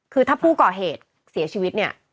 คือถ้าผู้ก่อเหตุเสียชีวิตเนี่ย